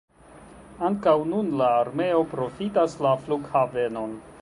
Ankaŭ nun la armeo profitas la flughavenon.